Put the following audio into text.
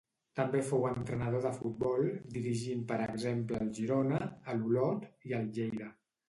També fou entrenador de futbol, dirigint per exemple al Girona, a l'Olot i al Lleida.